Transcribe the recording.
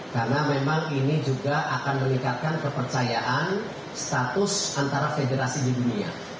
karena memang ini juga akan meningkatkan kepercayaan status antara federasi di dunia